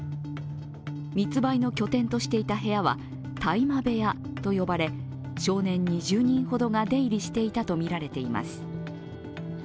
密売の拠点としていた部屋は大麻部屋と呼ばれ、少年２０人ほどが出入りしていたとみられています。